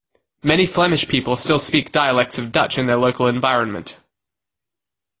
Many Flemish people still speak dialects of Dutch in their local environment.